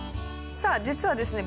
さあ実はですね